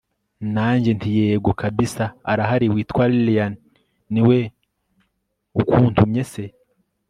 nanjye nti yego kbsa arahari witwa lilian, niwe ukuntumye se!